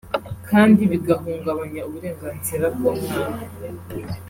kandi bigahungabanya uburenganzira bw’umwana